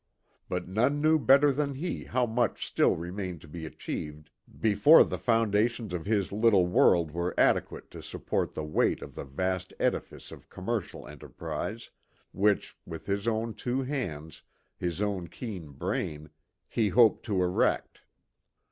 But none knew better than he how much still remained to be achieved before the foundations of his little world were adequate to support the weight of the vast edifice of commercial enterprise, which, with his own two hands, his own keen brain, he hoped to erect.